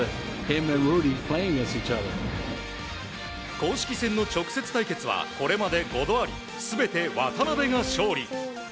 公式戦の直接対決はこれまで５度あり全て渡邊が勝利。